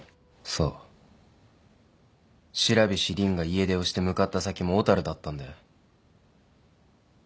そう白菱凜が家出をして向かった先も小樽だったんだよ。